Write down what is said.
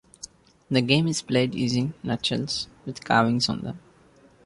The game is played using nutshells with carvings on them.